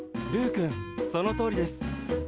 ルーくんそのとおりです。